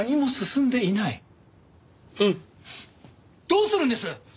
どうするんです！？